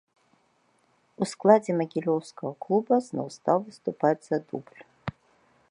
У складзе магілёўскага клуба зноў стаў выступаць за дубль.